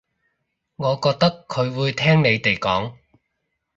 我覺得佢會聽你哋講